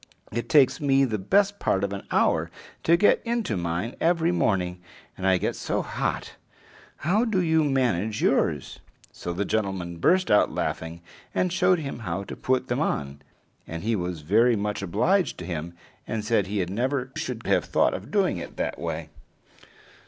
It takes me the best part of an hour to get into mine every morning, and I get so hot! How do you manage yours?" So the gentleman burst out laughing, and showed him how to put them on; and he was very much obliged to him, and said he never should have thought of doing it that way.